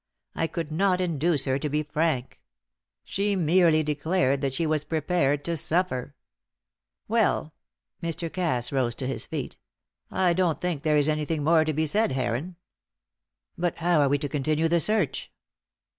I could not induce her to be frank. She merely declared that she was prepared to suffer. Well," Mr. Cass rose to his feet, "I don't think there is anything more to be said, Heron." "But how are we to continue the search?"